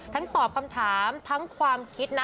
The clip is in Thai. ตอบคำถามทั้งความคิดนะ